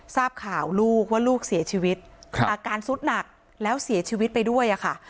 ทราบข่าวลูกว่าลูกเสียชีวิตอาการสุดหนักแล้วเสียชีวิตไปด้วยค่ะ